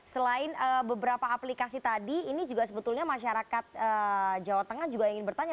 selain beberapa aplikasi tadi ini juga sebetulnya masyarakat jawa tengah juga ingin bertanya